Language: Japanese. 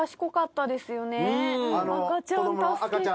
赤ちゃん助けて。